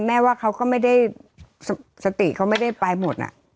แม่ว่าเขาก็ไม่ได้สติเขาไม่ได้ไปหมด